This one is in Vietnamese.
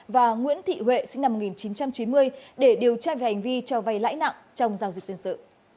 và nguyễn thị huệ sinh năm một nghìn chín trăm chín mươi để điều tra về hành vi cho vay lãi nặng trong giao dịch dân sự